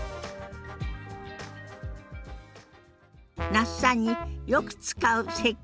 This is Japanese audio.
那須さんによく使う接客